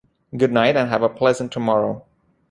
Goodnight and have a pleasant tomorrow.